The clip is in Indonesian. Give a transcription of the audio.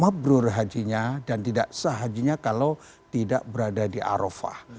mabrur hajinya dan tidak sah hajinya kalau tidak berada di arafah